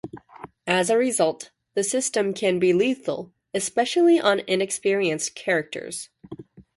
As a result, the system can be lethal, especially on inexperienced characters.